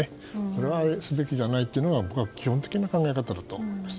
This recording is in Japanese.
これはすべきじゃないというのが基本的な考え方だと思っています。